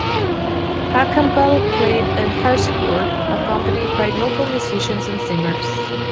Pachelbel played the harpsichord, accompanied by local musicians and singers.